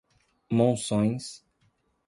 Monções